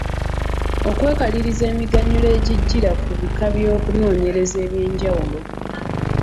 Okwekaliriza emiganyulo egijjira ku bika by’okunoonyereza eby’enjawulo.